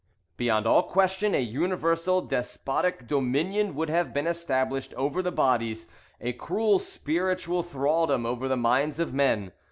Beyond all question, a universal despotic dominion would have been established over the bodies, a cruel spiritual thraldom over the minds of men.